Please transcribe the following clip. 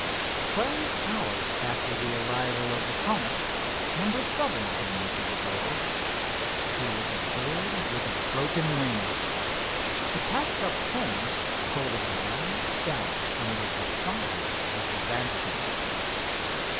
Twelve hours after the arrival of the Comet, number seven came into the goal. She was a bird with a broken wing. A patched up plane told of a last dash under decided disadvantages.